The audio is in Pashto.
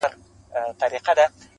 په جنگ کي حلوا نه وېشل کېږي.